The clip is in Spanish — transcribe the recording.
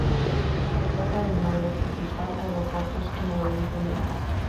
Se trata de uno de los principal aeropuertos en el Oriente Medio.